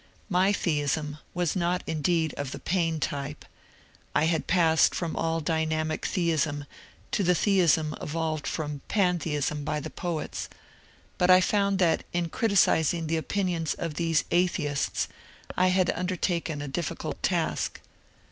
My theism was not indeed of the Paine type, — I had passed from all dynamic theism to the theism evolved from pantheism by the poets, — but I found that in criticising the opinions of these atheists I had under taken a difficult task.